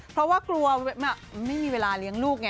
เพราะว่ากลัวไม่มีเวลาเลี้ยงลูกไง